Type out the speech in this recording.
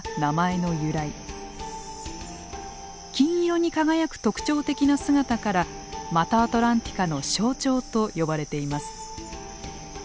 金色に輝く特徴的な姿からマタアトランティカの象徴と呼ばれています。